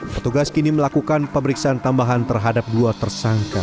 petugas kini melakukan pemeriksaan tambahan terhadap dua tersangka